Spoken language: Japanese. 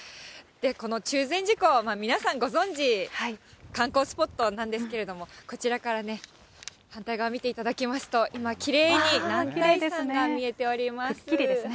この中禅寺湖は皆さんご存じ、観光スポットなんですけれども、こちらからね、反対側見ていただきますと、今、くっきりですね。